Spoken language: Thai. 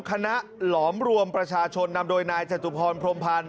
หลอมรวมประชาชนนำโดยนายจตุพรพรมพันธ์